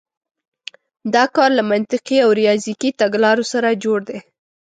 دا کار له منطقي او ریاضیکي تګلارو سره جوړ دی.